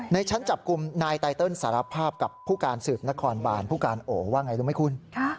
ในชั้นจับกลุ่มนายไตเติลสารภาพกับผู้การสืบนครบานผู้การโอว่าไงรู้ไหมคุณ